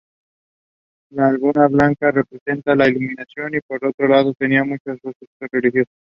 La albura blanca representa la iluminación, y por lo tanto tenía muchos usos religiosos.